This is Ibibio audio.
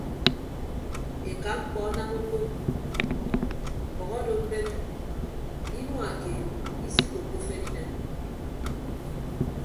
Eka mkpọ anam owo mbʌk odo mbeñe inua keed isikoppo afere inem.